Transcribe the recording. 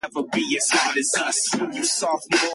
All works in French unless otherwise noted.